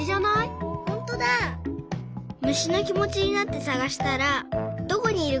むしのきもちになってさがしたらどこにいるかわかったよ。